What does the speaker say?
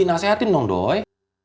nasihatin dong doi